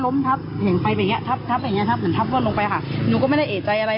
จากนี้ก็ลูกนั้นจับแล้วก็ค่อยค่อยเหมือนเหมือนเอ็นลงไปคือหนูก็ไม่เอ๋จใจ